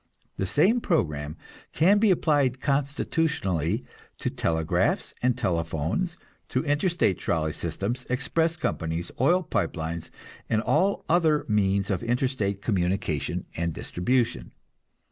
The same program can be applied constitutionally to telegraphs and telephones, to interstate trolley systems, express companies, oil pipe lines, and all other means of interstate communication and distribution.